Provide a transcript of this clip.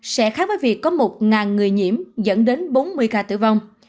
sẽ khác với việc có một người nhiễm dẫn đến bốn mươi ca tử vong